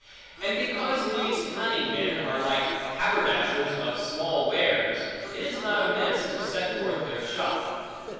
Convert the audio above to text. And because these cunning men, are like haberdashers of small wares, it is not amiss to set forth their shop.